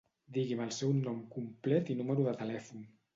Digui'm el seu nom complet i número de telèfon.